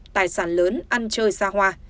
tài sản lớn ăn chơi xa hoa